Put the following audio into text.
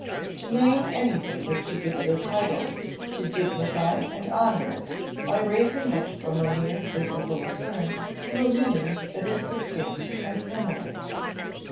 To name anything is to give it a title; to dignify and honor it by raising it from a mere physical occurrence to a meaning that is distinct and permanent.